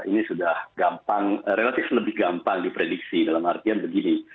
ini sudah gampang relatif lebih gampang diprediksi dalam artian begini